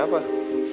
lo kepo banget